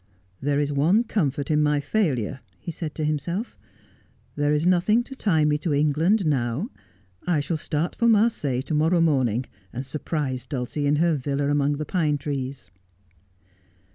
'There is one comfort in my failure.' he said to himself. ' There is nothing to tie me to England now. I shall start for Marseilles to morrow morning, and surprise Dulcie in her villa among the pine trees.'